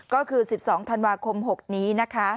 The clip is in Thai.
ก็คือ๑๒ธันวาคม๖นี้นะคะ